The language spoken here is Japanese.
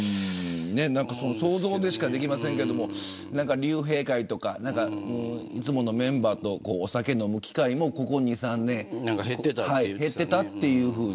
想像でしかできませんけれど竜兵会とかいつものメンバーとお酒飲む機会もここ２、３年減っていたって。